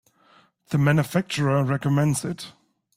The manufacturer recommends it.